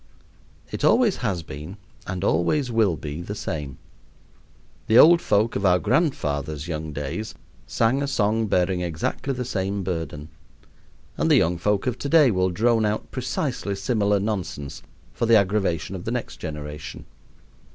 It always has been and always will be the same. The old folk of our grandfathers' young days sang a song bearing exactly the same burden; and the young folk of to day will drone out precisely similar nonsense for the aggravation of the next generation.